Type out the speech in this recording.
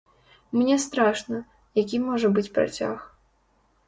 Мне страшна, які можа быць працяг.